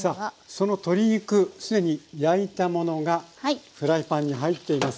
その鶏肉既に焼いたものがフライパンに入っています。